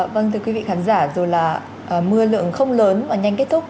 vâng thưa quý vị khán giả rồi là mưa lượng không lớn và nhanh kết thúc